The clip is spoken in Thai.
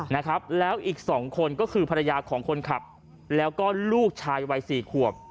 นะครับแล้วอีกสองคนก็คือภรรยาของคนขับแล้วก็ลูกชายวัยสี่ขวบ